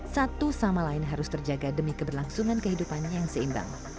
satu sama lain harus terjaga demi keberlangsungan kehidupan yang seimbang